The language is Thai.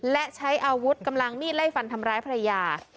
และใช้อาวุธกำลังมีดไล่ฟันทำร้ายภรรยา